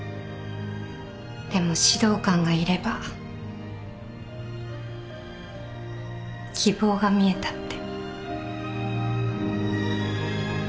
でも指導官がいれば希望が見えたって。